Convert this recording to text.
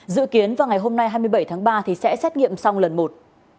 dự kiến vào ngày hôm nay hai mươi bảy tháng ba sẽ xét nghiệm xong lần một